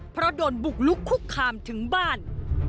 เพราะโดนบุกลุกคุกคามถึงบ้าน